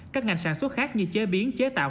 các ngành sản xuất khác như chế biến chế tạo